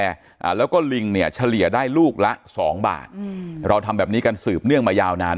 อ่าแล้วก็ลิงเนี่ยเฉลี่ยได้ลูกละสองบาทอืมเราทำแบบนี้กันสืบเนื่องมายาวนาน